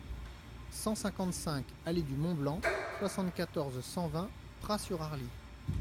cent cinquante-cinq allée du Mont Blanc, soixante-quatorze, cent vingt, Praz-sur-Arly